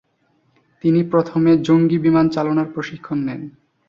তিনি প্রথমে জঙ্গি বিমান চালনার প্রশিক্ষণ নেন।